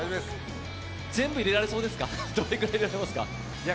全部入れられそうですか、どれくらい入れられそうですか？